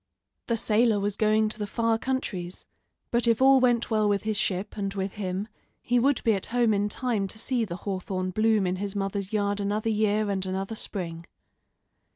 The sailor was going to the far countries, but if all went well with his ship, and with him, he would be at home in time to see the hawthorn bloom in his mother's yard another year and another spring.